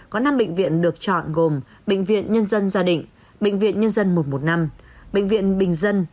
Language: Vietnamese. có năm bệnh viện được chọn gồm bệnh viện nhân dân gia định bệnh viện nhân dân một trăm một mươi năm bệnh viện bình dân